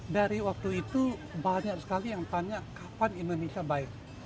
dari waktu itu banyak sekali yang tanya kapan indonesia baik